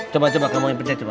coba coba kamu yang pencet coba